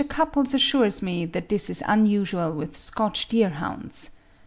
Cupples assures me that this is usual with Scotch deer hounds.